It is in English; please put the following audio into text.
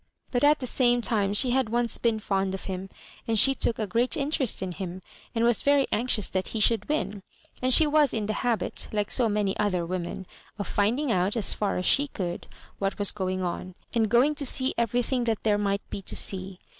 But at the same time she had once been fond of him, and she took a great interest in him, and was very anxious that he should win. And she was in the habit, like so many other women, of finding out, as far as she could, what was gdng on, and going to see everything that there might be Co see.